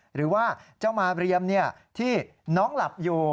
หรือว่าเจ้ามาเรียมที่น้องหลับอยู่